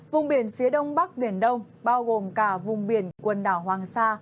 vùng biển phía đông bắc biển đông bao gồm cả vùng biển quần đảo hoàng sa